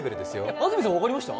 安住さん分かりました？